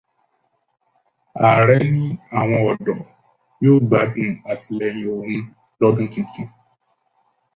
Ààrẹ ní àwọn ọ̀dọ́ yóò gbádùn àtìlẹyìn òun lọ́dún tuntun.